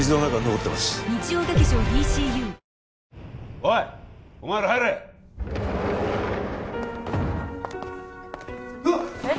おいお前ら入れうわっ！